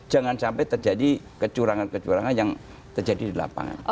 jangan sampai terjadi kecurangan kecurangan yang terjadi di lapangan